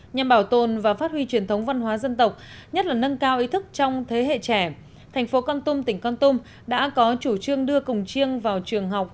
nhằm bảo tồn và phát huy truyền thống văn hóa dân tộc nhất là nâng cao ý thức trong thế hệ trẻ thành phố con tum tỉnh con tum đã có chủ trương đưa cùng chiêng vào trường học